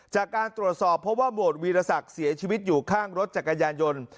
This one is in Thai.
จากการตรวจสอบเพราะว่าหมวดวีรศักดิ์เสียชีวิตอยู่ข้างรถจักรยานยนต์